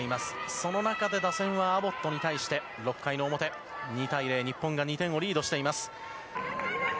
その中で打線はアボットに対して６回の表、２対０、日本が２点をリードしています。